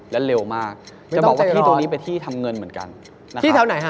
และเร็วมากจะบอกว่าที่ตรงนี้เป็นที่ทำเงินเหมือนกันที่แถวไหนฮะ